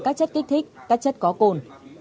các chất kích thích các chất có cồn